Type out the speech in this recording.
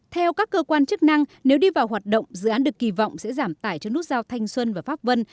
theo các cơ quan chức năng nếu đi vào hoạt động dự án được kỳ vọng sẽ giảm tải cho nút giao thanh xuân và pháp vân